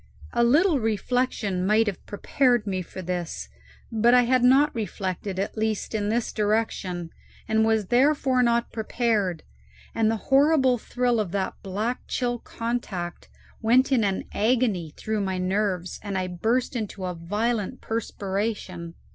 A little reflection might have prepared me for this, but I had not reflected, at least in this direction, and was therefore not prepared; and the horrible thrill of that black chill contact went in an agony through my nerves, and I burst into a violent perspiration.